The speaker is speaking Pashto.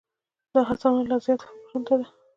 دا هڅونه لا زیاتو فکرونو ته ده.